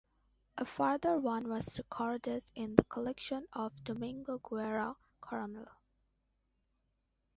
A further one was recorded in the collection of Domingo Guerra Coronel.